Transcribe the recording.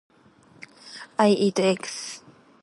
I eat eggs.